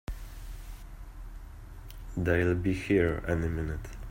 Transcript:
They'll be here any minute!